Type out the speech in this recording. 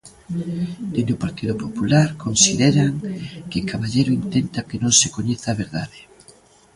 Dende o Partido Popular consideran que Caballero intenta que non se coñeza a verdade.